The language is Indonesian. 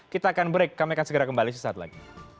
kita akan break kami akan segera kembali sesaat lagi